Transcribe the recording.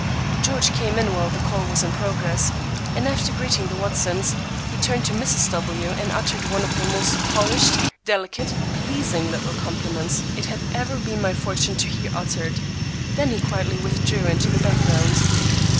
George came in while the call was in progress, and after greeting the Watsons, he turned to Mrs. W., and uttered one of the most polished, delicate, pleasing little compliments it has ever been my fortune to hear uttered. Then he quietly withdrew into the background.